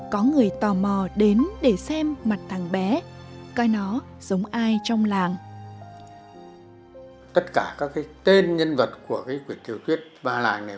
có người tò mò đến để xem mặt thằng bé